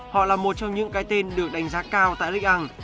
họ là một trong những cái tên được đánh giá cao tại lịch ăn